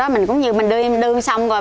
mình cũng như mình đưa xong rồi